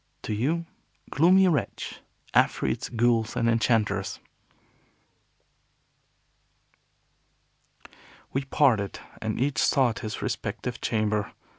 "To you, gloomy wretch, afreets, ghouls, and enchanters." We parted, and each sought his respective chamber.